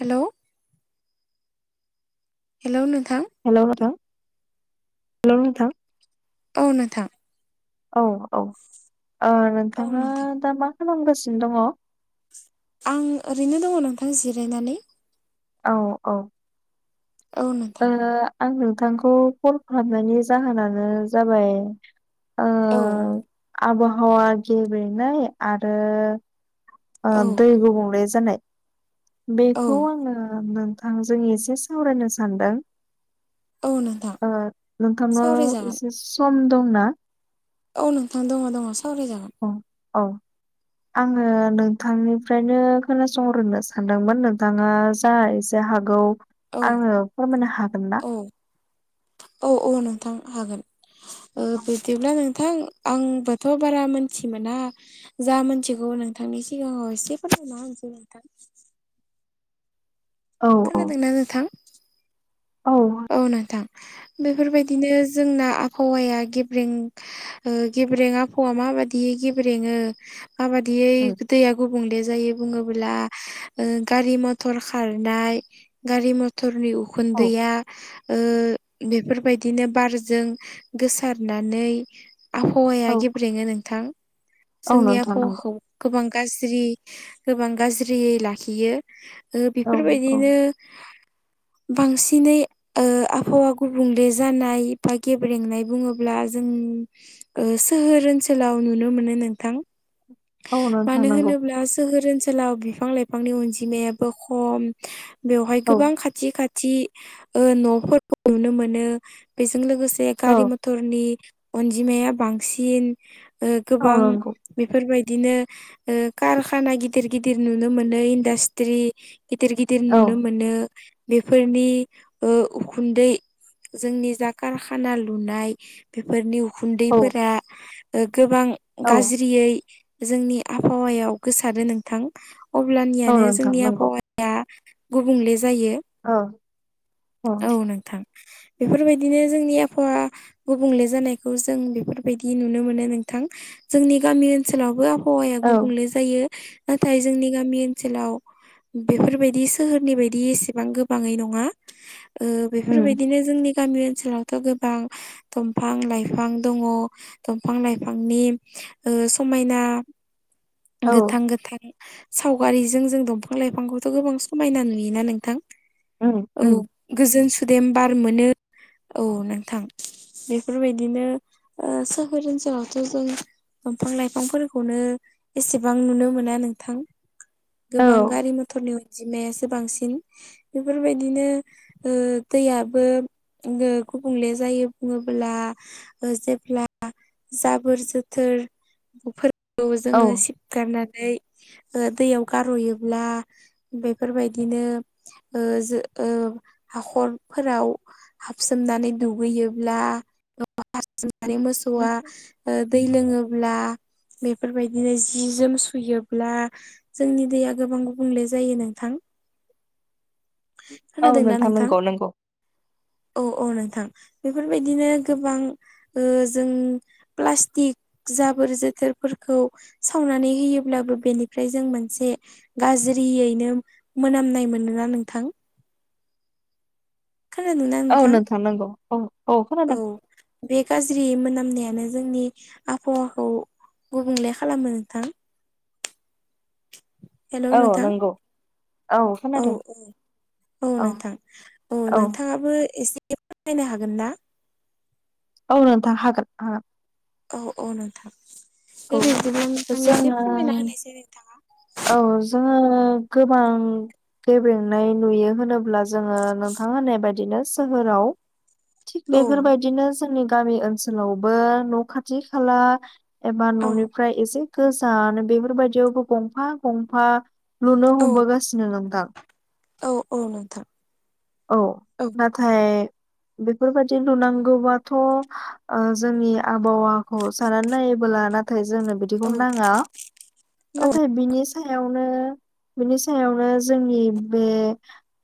Hello hello नोंथां hello नोंथां hello नोंथां औ नोंथां औ औ ओ औ नोंथाङा नोंथां दा मा खालामगासिनो दङ? आं ओरैनो दङ नोंथां जिरायनानै। औ औ औ नोंथां आं नोंथांखौ कल खालामनायनि जाहोनानो जाबाय ओ औ आबहावा गेब्रेंनाय आरो ओ औ दै गुबुंले जानाय औ बेखौ आङो नोंथांजों एसे सावरायनो सानदों। औ नोंथां ओ नोंथांनाव सावरायजागोन एसे सम दंना औ नोंथां दङ दङ सावरायजागोन अ अ आङो नोंथांनिफ्रायनो खोनासंहरनो सानदोंमोन नोंथाङा जा जा हागौ औ आङो फोरमायनो हागोन ना? औ औ औ नोंथां हागोन ओ औ बिदिब्ला नों थां आंबोथ' बारा मोनथि मोना जा मोनथिगौ नोंथांनि सिगाङाव एसे फैरमायना होनसै नोंथां औ खोनादों ना नोंथां? औ औ नोंथां बेफोरबायदिनो जोंना आबहावाया गेब्रें ओ गेब्रें आबहावा माबाददियै गेब्रेङो माबायदियै दैया गु गुबुंले जायो बुङोब्ला ओ गारि मटर खारनाय गारि मटरनि औ उखुन्दैया ओ‌ बेफोरबायदिनो बारजों गोसारनानै आबहावाया औ गेब्रेङो नोंथां औ जोंनि नोंथां नंगौ आबहावाखौ गोबां गाज्रि गोबां गाज्रियै लाखियो औ औ बेफोरबायदिनो बांसिनै ओ आबहावा गुबुंले जानाय बा गेब्रेंनाय बुङोब्ला जों ओ सोहोर ओनसोलाव नुनो मोनो नोंथां औ नोंथां मानो नंगौ होनोब्ला सोहोर ओनसोलाव बिफां लाइफांनि अनजिमायाबो खम बेवहाय औ गोबां खाथि खाथि ओ न'फोरखौ नुनो मोनो बेजों लोगोसे बे औ गारि मटरनि अनजिमाया बांसिन ओ औ गोबां नंगौ बेफोरबायदिनो ओ कारखाना गिदिर गिदिर नुनो मोनो इडासत्रि गिदिर गिदिर नुनो औ मोनो बेफोरनि ओ उखुन्दै जोंनि जा कारखाना लुनाय बेफोरनि औ गुन्दैफोरा ओ गोबां औ गाज्रियै जोंनि आबहावायाव गोसारो नोंथां औ अब्लानियानो नोंथां जोंनि नंगौ आबहावा या गुबुंले जायो अ औ नोंथां बेफोरबायदिनो जोंनि आबहावा गुबुंले जानायखौ जों बेफोरबायदि नुनो मोनो नोंथां जोंनि गामि ओनसोलावबो आबहावाया औ गुबुंले जायो नाथाय जोंनि गामि ओनसोलाव बेफोरबायदि सोहोरनि बायदि एसेबां गोबाङै नङा ओ उम बेफोरबायदिनो जोंनि गामि ओनसोलावथ' गोबां दंफां लाइफां दङ दंफां लाइफांनि ओ समायना औ गोथां गोथां सावगारिजों जों दंफां लाइफांखौथ' गोबां समायना नुयोना नोंथां उम औ उम गोजोन सुदेम बार मोनो औ नोंथां बेफोरबायदिनो ओ सोहोर ओनसोलावथ' जों दंफां लाइफांफोरखौनो एसेबां नुनो मोना नोंथां औ गोबां गारि मथरनि अनजिमायासो बांसिन बेफोरबायदिनो ओ दैयाबो गुबुंले जायो बुङोब्ला ओ जेब्ला जाबोर जोथोरफोरखौ जोङो औ सिब गारनानै ओ दैयाव गारह'योब्ला बेफोरबायदिनो ओ जों हाखरफोराव हाबसोमनानै दुगैयोब्ला [unintelligible] हारसिंनानै मोसौआ ओ दै लोङोब्ला बेफोरबायदिनो जि जोम सुयोब्ला जोंनि दैया गोबां गुबुंले जायो नोंथां औ नोंथां नंगौ नंगौ औ औ नोंथां बेफोरबायदिनो गोबां ओ जों प्लास्टिक जाबोर जोथोरफोरखौ सावनानै होयोब्लाबो बेनिफ्राय जों मोनसे गाज्रियैनो मोनामनाय मोनो ना नोंथां खोनादोंना नोंथां जानांगौ अ औ बे गाज्रि मोनामनायानो जोंनि आबहावाखौ गुबुंले खालामो नोंथां। हेलौ औ नोंथां नंगौ। औ औ औ नोंथां औ नोंथाङाबो एसे फोरमायनो हागोन ना? औ नोंथां हागोन हागोन औ औ नोंथां दे हागोन बे बिदिनो औ नोंथां एसे जोङो फोरमायना होनायसै नोंथाङा‌ औ जोङो गोबां गेब्रेंनाय नुयो होनोब्ला जोङो नोंथां होननाय बायदिनो सोहोराव थिग औ बेफोरबायदिनो जोंनि गामि ओनसोलावबो न' खाथि खाला एबा न'नि औ फ्राय एसे गोजान बेफोरबायदियावबो गंफा गंफा लुनो औ हमबोगासिनो नोंदां औ औ नोंथां औ ना थाय बेफोरबायदि नुनांगौबाथ' जोंनि आबहावाखौ सानानानै नायो बोला नाथाय जोंनो औ बिदिखौ नाङा औ नाथाय बिनि सायावनो बिनि सायावनो जोंनि बे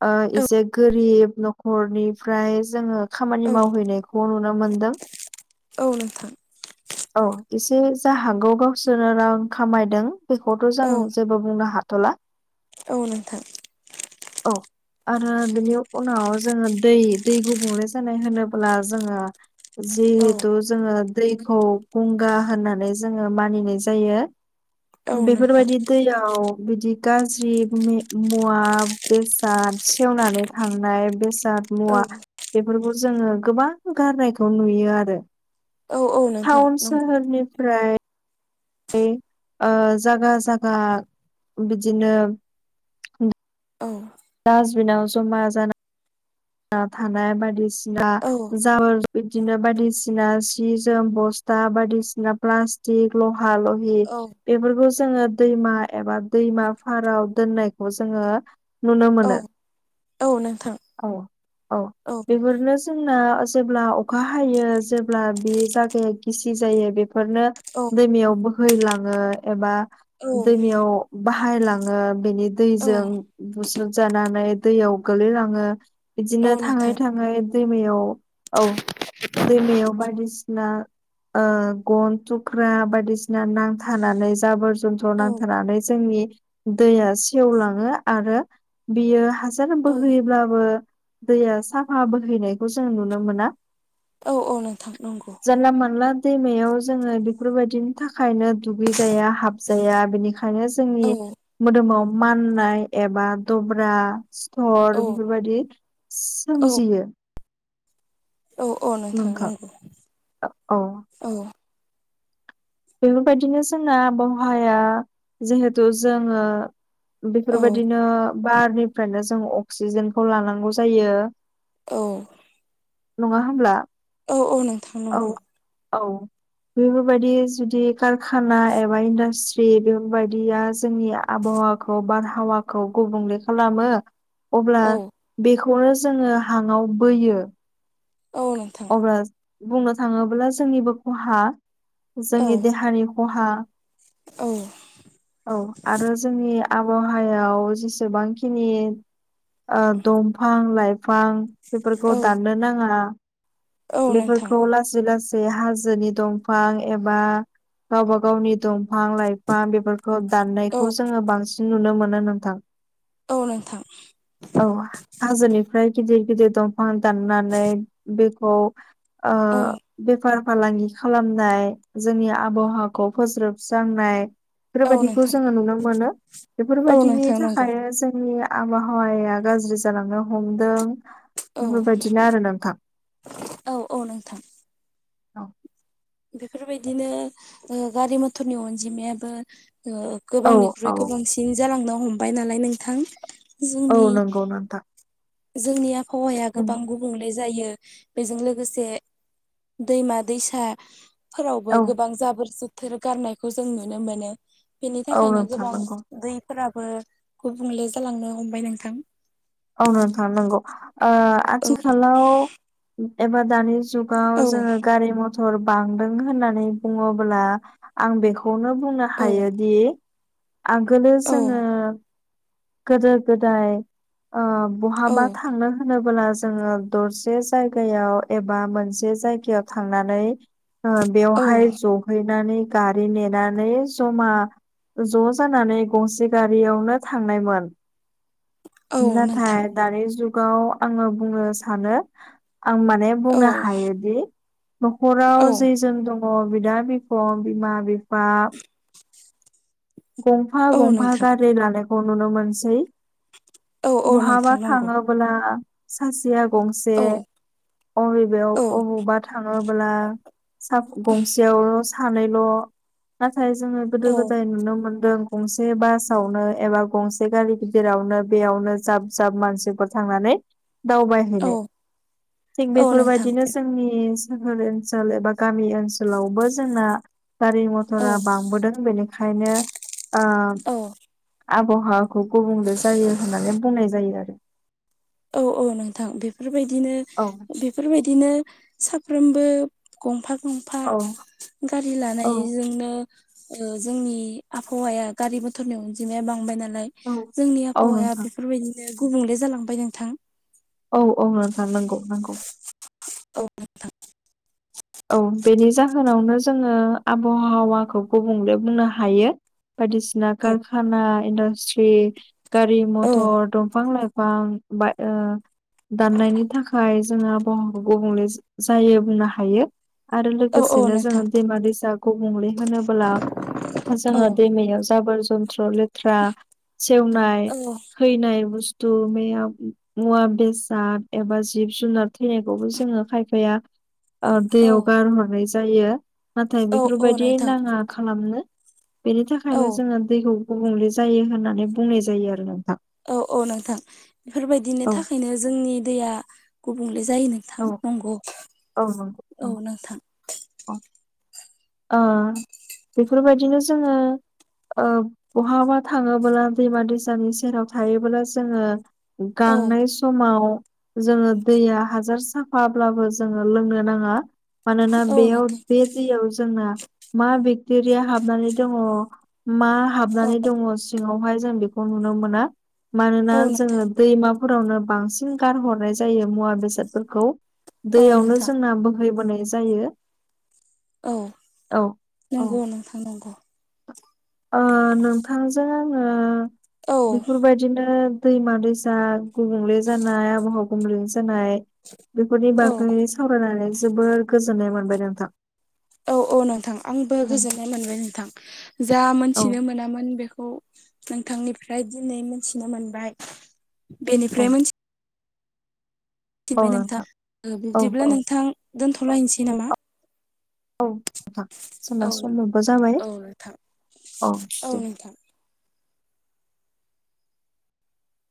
ओ औ इसे गोरिब न'खरनिफ्राय जोङो। खामानि औ मावहैनायखौ नुनो मोनदों। औ नोंथां औ एसे जा हागौ गावसोरनो रां खामायदों। बेखौथ' जों औ जेबो बुंनो हाथ'ला औ नोंथां औ आरो बिनि उनाव जोङो दै दै गुबुंले जानाय होनोब्ला जोङो औ जिहेथु जोङो दैखौ गंगा होननानै जोङो मानिनाय जायो। औ बेफोर नोंथां बायदि दैयाव गाज्रि मुवा बेसाद सेवनानै थांनाय बेसाद मुवा औ बेफोरखौ जोङो गोबां गारनायखौ नुयो आरो औ औ नोंथां टाउन नंगौ सोहोरनिफ्राय बे ओ जायगा जायगा बिदिनो औ डास्टबिनाव जमा जाना थानाय बायदिसिना औ जाबोर बिदिनो बायदिसिना सि जोम बस्था बायदिसिना प्लास्टिक लहा ल हि औ बेफोरखौ जोङो दैमा एबा दैमा फाराव दोननायखौ जोङो नुनो औ मोनो। औ नोंथां। औ औ बेफोरनो जोंना जेब्ला अखा हायो जेब्ला बे जागाया गिसि जायो बे बेफोरनो औ दैमायाव बोहैलाङो एबा औ दैमायाव बाहायलाङो बेनि औ दैजों बुस्रुबजानानै दैयाव गोलैलाङो। औ बिदिनो थाङै नोंथां थाङै दैमायाव औ दैमायाव बायदिसिना ओ गन थुख्रा बायदिसिना नांथानानै जोबोर जन्थ्र औ नांथानानै जोंनि दैया सेवलाङो आरो बियो हा माने बोहैयोब्लाबो दैया साफा बोहैनायखौ जों नुनो मोना। औ औ नोंथां नंगौ। जानला मोनला दैमायाव जोङो बेफोरबायदिनि थाखायनो दुगैजाया हाबजाया बेनिखायनो जोंनि औ मोदोमाव माननाय एबा दब्रा सिथर औ बेफोरबायदि औ सोमजियो। औ औ नोंथां नांगौ औ। बेफोरबायदिनो जोंना आबहावाया जिहेथु जोङो औ बेफोरबायदिनो बारनिफ्रायनो जों अक्सिजेनखौ लानांगौ जायो। औ नङा होमब्ला? औ औ नोंथां औ नंगौ। औ बेफोरबायदि जुदि कारखाना एबा इन्डास्ट्रि बेफोरबायदिया जोंनि आबहावाखौ बारहावा खौ गुबुंले खालामो अब्ला औ बेखौनो जोङो हाङाव बोयो। औ नोंथां। ओ बुंनो थाङोब्ला जोंनिबो खहा औ जोंनि देहानि खहा। औ औ आरो जोंनि आबहावायाव जेसेबांखिनि ओ दंफां लाइफां बेफोरखौ औ दाननो नाङा। औ नोंथां बेफोरखौ लासै लासै हाजोनि दंफां एबा गावबा गावनि दं फां लाइफां बेफोरखौ औ दाननायखौ जोङो बांसिन नुनो मोनो नोंथां। औ नोंथां। औ हाजोनिफ्राय गिदिर गिदिर दंफां दाननानै बेखौ ओ औ बे बेफार फालांगि खालामनाय जोंनि आबहावाखौ फोज्रोबस्रांनाय औ बेफोरबायदिखौ नोंथां जोङो नुनो मोनो औ बेफोरबायदिनि नोंथां नंगौ थाखाय जोंनि आबहावाया गाज्रि जालांनो हमदों। औ बेफोरबायदिनो आरो औ औ नोंथां। औ बेफोरबायदिनो ओ गारि मथरनि अनजिमायाबो ओ औ गोबांनिख्रुइ औ गोबांसिन जालांनो हमबाय नालाय नोंथां औ जोंनि नंगौ नोंथां। जोंनि आबहावाया गोबां नंगौ गु बुंले जायो बेजों लोगोसे दैमा दैसा फोरावबो औ गोबां जाबोर जोथोर गारनायखौ जों नुनो मोनो। बेनि औ थाखायनो नोंथां गोबां नंगौ दैफोराबो गुबुंले जालांनो हमबाय नोंथां। औ नोंथां नोंगौ ओ आथिखालाव एबा दानि जुगाव औ जोङो गारि म थर बांदों होननानै बुङोब्ला आं बेखौनो बुंनो औ हायोदि आगोलो औ जोङो गोदो गोदाय ओ औ बहाबा थांनो होनोब्ला जोङो दरसे जायगायाव एबा मोनसे जायगायाव थांनानै औ बेवहाय जहैनानै गारि नेनानै जमा ज' जानानै गंसे गारियावनो थांनायमोन औ नोंथां नाथाय दानि जुगाव आङो बुंनो सानो आं माने औ बुंनो हायोदि न'खराव औ जै जोन दङ बिदा बिफं बिमा बिफा बा गंफा औ गंफा नोंथां गारि लानाय खौ नुनो मोनसै औ औ बहाबा नोंथां नंगौ थाङोब्ला सासेया गंसे औ अबेबायाव औ अबेबा थाङोब्ला गंसेयावल' सानैल' नाथाय जोङो गोदो औ गोदाय नुनो मोनदों गंसे बासावनो एबा गंसे गारि गिदिरावनो बेयावनो जाब जाब मानसिफोर थांनानै दावबाय औ थिग औ नोंथां बेफोरबायदिनो जोंनि सोहोर ओनसोल एबा गामि ओनसोलावबो जोंना गारि औ मथरा बांबोदों बेनिखायनो ओंखायनो औ आबहावाखौ गुबुंले जायो होननानै बुंनाय जायो आरो औ औ नोंथां बेफोरबायदिनो बेफोरबायदिनो साफ्रोमबो गंफा गंफा औ गारि औ लानायजोंनो जोंनि आबहावाया गारि मथरनि अनजिमाया बांबाय नालाय औ जोंनि औ आबहावाया नोंथां बेफोरबायदिनो गुबुंले जालांबाय नोंथां औ औ नोंथां नंगौ नंगौ औ नोंथां औ बेनि जाहोनावनो जोङो आबहावाखौ गुबुंले बुंनो हायो बायदिसिना औ कारखाना इन्डासट्रि गारि औ मथर दंफां लाइफां दाननायनि थाखाय जोङो आबहावाखौ गुबुंले जायो बुंनो हायो आरो औ औ लोगोसेनो नोंथां जोङो दैमा दैसा गुबुंले होनोबोला औ जोङो दैमायाव जाबोर जन्थ्र लेथ्रा सेवनाय औ थैनाय बुस्थु बेयाव मुवा बेसाद एबा जिब जुनार थैनायखौबो जोङो खायफाया दैयाव औ गारहरनाय जायो नाथाय औ औ बेफोरबायदि नोंथां नाङा खालामनो बेनि थाखायनो औ जोङो दैखौ गुबुंले जायो होननानै बुंनाय जायो आरो नोंथां औ औ नोंथां बेफोरबायदिनि औ थाखायनो जोंनि दैया गुबुंले जायो औ नोंथां नंगौ नंगौ औ नंगौ नोंथां औ ओ बेफोरबायदिनो जोङो ओ बहाबा थाङोबोला दैमा दैसानि सेराव थायोबोला जोङो औ गांनाय स समाव जोङो दैया हाजार साफाब्लाबो जोङो लोंनो नाङा मानोना औ बेयाव नोंथां बे दैयाव जोंना मा बेक्टेरिया हाबनानै दङ मा औ हाबनानै दङ सिङावहाय जों बेखौ नुनो मोना मानोना औ नोंथां जोङो दैमाफोरावनो बांसिन गारहरनाय जायो मुवा बेसादफोरखौ औ दैयावनो नोंथां जोंना बोहैबोनाय जायो औ औ नंगौ नोंथां नंगौ ओ नोंथांजों आङो औ बेफोरबायदिनो दैमा दैसा गुबुंले जानाय आबहावा गुबुंले जानाय बेफोरनि औ बागै सावरायनानै जोबोर गोजोननाय मोनबाय नोंथां औ औ नोंथां आंबो गोजोननाय मोनबाय नोंथां जा औ मोनथिनो मोनामोन बेखौ नोंथांनिफ्राय दिनै मोनथिनो मोनबाय औ बेनिफ्राय मोनसे मिनथिबाय नोंथां औ बिब्दिब्ला औ नोंथां दोनथ'लायनोसै नामा औ नोंथां जोंना औ समाबो जाबाय औ नोंथां औ दे